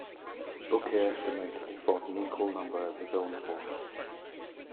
Bouquet estimated he fought an equal number as his own force.